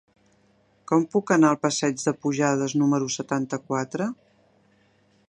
Com puc anar al passeig de Pujades número setanta-quatre?